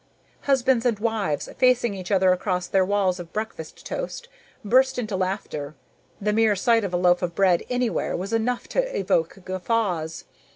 Husbands and wives, facing each other across their walls of breakfast toast, burst into laughter. The mere sight of a loaf of bread anywhere was enough to evoke guffaws.